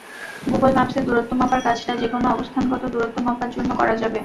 Google ম্যাপসে দূরত্ব মাপার কাজটা যেকোনো অবস্থানগত দূরত্ব মাপার জন্য করা যাবে।